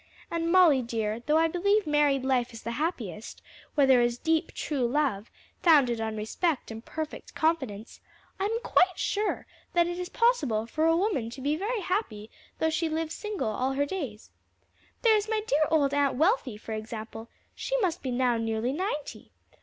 And, Molly dear, though I believe married life is the happiest, where there is deep, true love, founded on respect and perfect confidence, I am quite sure that it is possible for a woman to be very happy though she live single all her days. There is my dear old Aunt Wealthy, for example; she must be now nearly ninety.